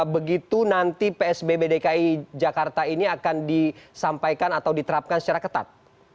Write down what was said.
begitu nanti psbb dki jakarta ini akan disampaikan atau diterapkan secara ketat